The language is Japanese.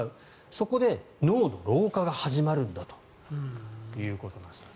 そこで脳の老化が始まるんだということです。